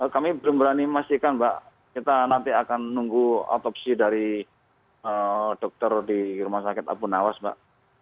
kami berani memastikan mbak kita nanti akan menunggu otopsi dari dokter di rumah sakit apunawas mbak